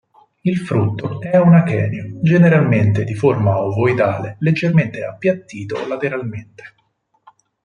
Il frutto è un achenio generalmente di forma ovoidale leggermente appiattito lateralmente.